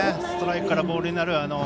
ストライクからボールになる